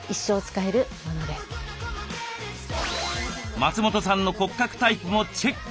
松本さんの骨格タイプもチェック！